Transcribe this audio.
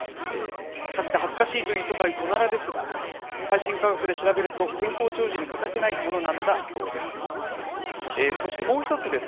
臭くて恥ずかしいという人がいるオナラですが、最新科学で調べると健康長寿に欠かせないものなんだそうです。